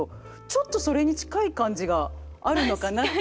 ちょっとそれに近い感じがあるのかなって。